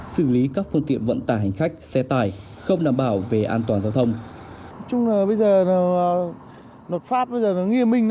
xử lý các phương tiện vận tải hành khách xe tải không đảm bảo về an toàn giao thông